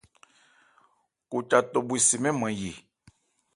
Koca tᴐ bhwe se mɛ́n nman ye.